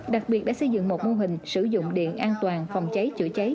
đặc biệt đã xây dựng một mô hình sử dụng điện an toàn phòng cháy chữa cháy